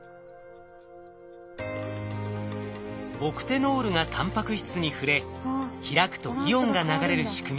オクテノールがタンパク質に触れ開くとイオンが流れる仕組み。